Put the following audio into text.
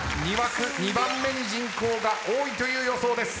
２番目に人口が多いという予想です。